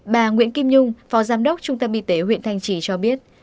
bà nguyễn kim nhung phó giám đốc trung tâm y tế huyện thanh trì cho biết